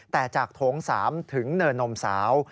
แต่จากโถง๓ถึงเนินนมสาว